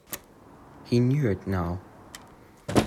He knew it now.